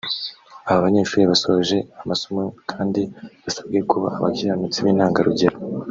Aba banyeshuri basoje amasomo kandi basabwe kuba abakiranutsi b’intangarugero